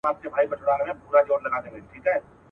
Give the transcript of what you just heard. پوره درې مياشتي امير دئ زموږ پېشوا دئ.